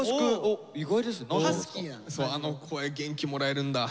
あの声元気もらえるんだ。